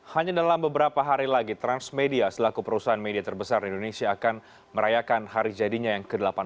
hanya dalam beberapa hari lagi transmedia selaku perusahaan media terbesar di indonesia akan merayakan hari jadinya yang ke delapan belas